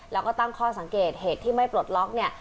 แล้วก็ตั้งข้อสังเกตเหตุที่ไม่ปลดล็อกเนี่ย